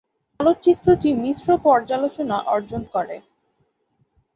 চলচ্চিত্রটি মিশ্র পর্যালোচনা অর্জন করে।